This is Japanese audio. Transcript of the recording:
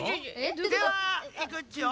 ではいくっちよ。